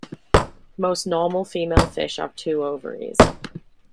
Most normal female fish have two ovaries.